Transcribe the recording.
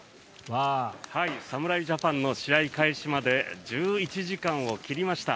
侍ジャパンの試合開始まで１１時間を切りました。